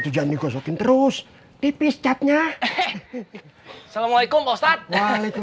atuh jangan digosokin terus tipis catnya assalamualaikum